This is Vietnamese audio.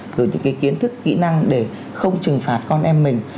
rồi những cái kiến thức kỹ năng để không trừng phạt con em mình